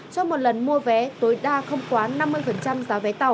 trong một lần mua vé tối đa không quá năm mươi giá vé tàu